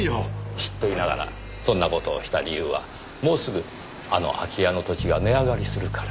知っていながらそんな事をした理由はもうすぐあの空き家の土地が値上がりするから。